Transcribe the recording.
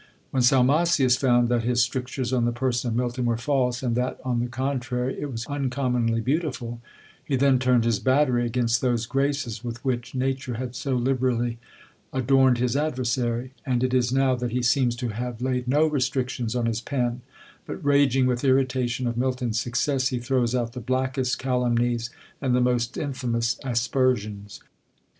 When Salmasius found that his strictures on the person of Milton were false, and that, on the contrary, it was uncommonly beautiful, he then turned his battery against those graces with which Nature had so liberally adorned his adversary: and it is now that he seems to have laid no restrictions on his pen; but, raging with the irritation of Milton's success, he throws out the blackest calumnies, and the most infamous aspersions.